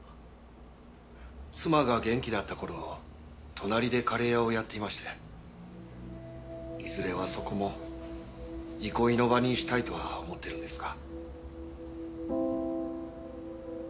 妻が元気だった頃隣でカレー屋をやっていましていずれはそこも憩いの場にしたいとは思っているんですが。